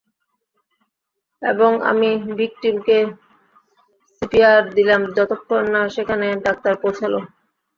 এবং আমি ভিক্টিমকে সিপিয়ার দিলাম যতক্ষণ না সেখানে ডাক্তার পৌঁছালো।